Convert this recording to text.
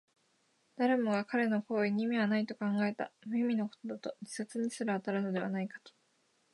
誰もが彼の行為に意味はないと考えた。無意味なことだと、自殺にすら当たるのではないかと。